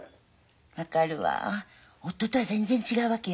分かるわ夫とは全然違うわけよ。